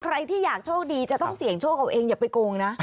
ใครที่อยากโชคดีจะต้องเสี่ยงโชคเอาเองอย่าไปโกงนะ